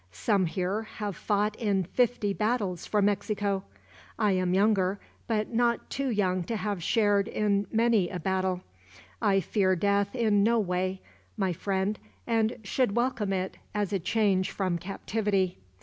Some here have fought in fifty battles for Mexico. I am younger, but not too young to have shared in many a battle. I fear death in no way, my friend, and should welcome it, as a change from captivity.